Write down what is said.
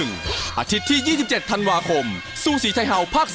อาทิตย์ที่๒๗ธันวาคมสู้สีไทยฮาวภาค๒